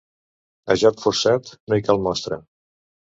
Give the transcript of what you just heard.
A joc forçat, no hi cal mostra.